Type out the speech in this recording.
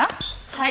はい。